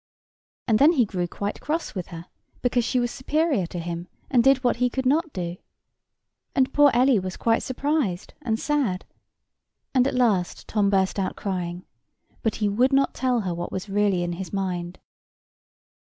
And then he grew quite cross with her, because she was superior to him, and did what he could not do. And poor Ellie was quite surprised and sad; and at last Tom burst out crying; but he would not tell her what was really in his mind.